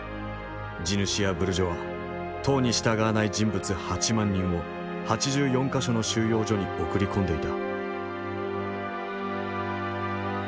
地主やブルジョア党に従わない人物８万人を８４か所の収容所に送り込んでいた。